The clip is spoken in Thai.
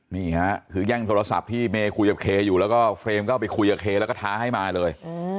นี่ฮะคือแย่งโทรศัพท์ที่เมย์คุยกับเคอยู่แล้วก็เฟรมก็ไปคุยกับเคแล้วก็ท้าให้มาเลย